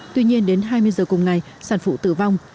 tuy nhiên đến hai mươi giờ cùng ngày sản phụ tử vong